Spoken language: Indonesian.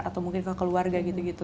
atau mungkin ke keluarga gitu gitu